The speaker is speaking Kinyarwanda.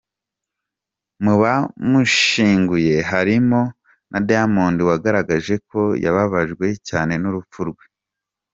Mu bamushyinguye harimo na Diamond wagaragaje ko �?yababajwe cyane n’urupfu rwe’.